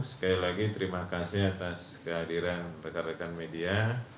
sekali lagi terima kasih atas kehadiran rekan rekan media